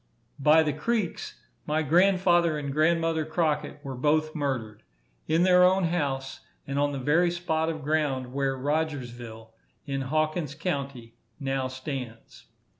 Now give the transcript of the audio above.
By the Creeks, my grandfather and grandmother Crockett were both murdered, in their own house, and on the very spot of ground where Rogersville, in Hawkins county, now stands.